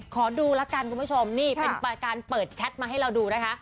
ขอดูละกันคุณผู้ชมนี่เป็นการเปิดแชทมาให้เราดูนะคะ